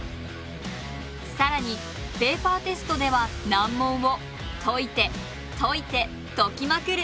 更にペーパーテストでは難問を解いて解いて解きまくる！